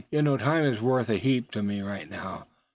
"You know time is worth a heap to me right now.